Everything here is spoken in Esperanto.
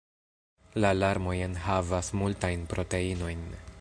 La larmoj enhavas multajn proteinojn.